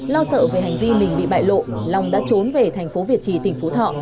lo sợ về hành vi mình bị bại lộ long đã trốn về thành phố việt trì tỉnh phú thọ